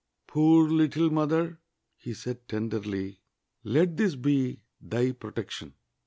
"Poor little mother!" he said tenderly, "let this be thy protection!"